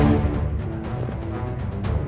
halika kamu gak ada musibah